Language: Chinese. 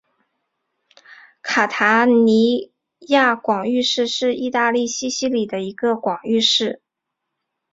卡塔尼亚广域市是意大利西西里的一个广域市。